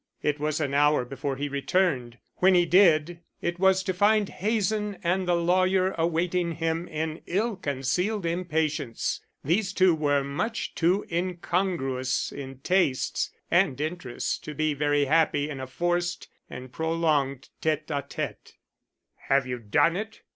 It was an hour before he returned. When he did, it was to find Hazen and the lawyer awaiting him in ill concealed impatience. These two were much too incongruous in tastes and interests to be very happy in a forced and prolonged tête à tête. "Have you done it?"